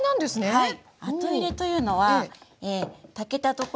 はい。